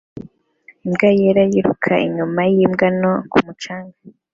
Imbwa yera yiruka inyuma yimbwa nto ku mucanga